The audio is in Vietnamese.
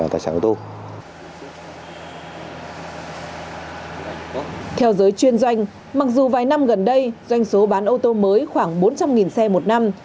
theo giới chuyên doanh mặc dù vài năm gần đây doanh số bán ô tô mới khoảng bốn trăm linh xe một năm